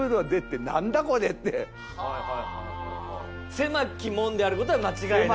狭き門であることは間違いないっすよね。